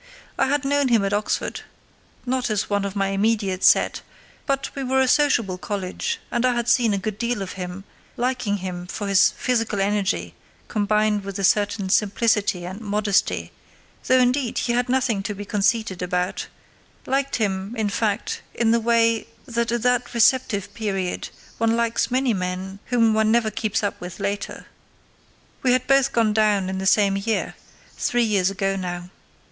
I had known him at Oxford—not as one of my immediate set; but we were a sociable college, and I had seen a good deal of him, liking him for his physical energy combined with a certain simplicity and modesty, though, indeed, he had nothing to be conceited about; liked him, in fact, in the way that at that receptive period one likes many men whom one never keeps up with later. We had both gone down in the same year—three years ago now.